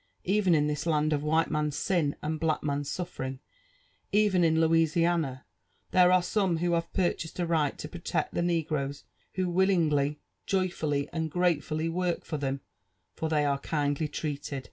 Even in this land of white man's sin and black man's suffering— even in Louisiana, there are some who have purchased a right to protect the negroes who wiHingly, joyfully, and gratefully work for them — for they are kindly treated.